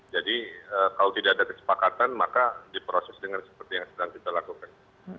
jadi kalau tidak ada kesepakatan maka diproses dengan seperti yang sedang kita lakukan